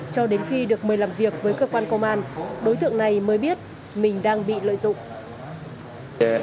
cho đến khi được mời làm việc với cơ quan công an đối tượng này mới biết mình đang bị lợi dụng